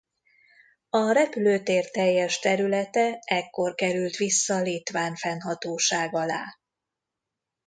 A repülőtér teljes területe ekkor került vissza litván fennhatóság alá.